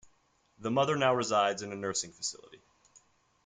The mother now resides in a nursing facility.